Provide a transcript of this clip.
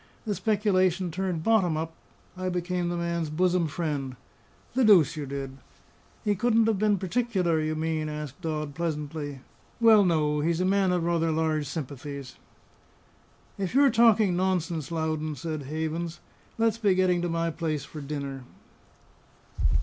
"The speculation turned bottom up. I became the man's bosom friend." "The deuce you did!" "He couldn't have been particular, you mean?" asked Dodd pleasantly. "Well, no; he's a man of rather large sympathies." "If you're done talking nonsense, Loudon," said Havens, "let's be getting to my place for dinner."